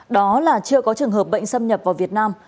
đó là chưa có trường hợp bệnh xâm nhập vào việt nam